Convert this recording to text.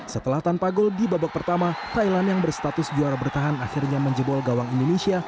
setelah tanpa gol di babak pertama thailand yang berstatus juara bertahan akhirnya menjebol gawang indonesia